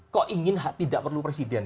kok ingin tidak perlu presiden